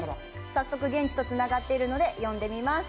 早速現地とつながっているので呼んでみます。